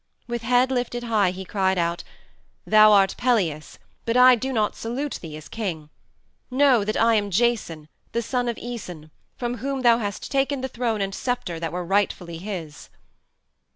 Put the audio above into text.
With head lifted high he cried out, "Thou art Pelias, but I do not salute thee as king. Know that I am Jason, the son of Æson from whom thou hast taken the throne and scepter that were rightfully his."